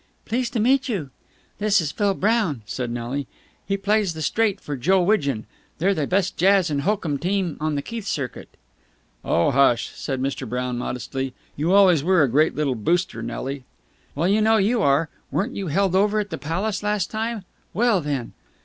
"Pleased to meet you." "This is Phil Brown," said Nelly. "He plays the straight for Joe Widgeon. They're the best jazz and hokum team on the Keith Circuit." "Oh, hush!" said Mr. Brown modestly. "You always were a great little booster, Nelly." "Well, you know you are! Weren't you held over at the Palace last time? Well, then!"